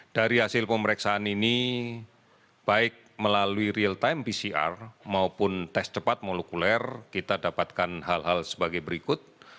dari hasil pemeriksaan ini baik melalui real time pcr maupun tes cepat molekuler kita dapatkan hal hal sebagai berikut